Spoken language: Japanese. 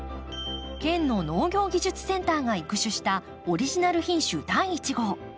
県の農業技術センターが育種したオリジナル品種第一号。